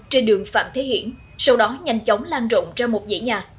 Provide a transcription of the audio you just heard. trên đường phạm thế hiển sau đó nhanh chóng lan rộng ra một dãy nhà